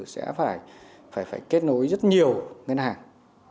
sẽ phải kết nối rất nhiều ngân hàng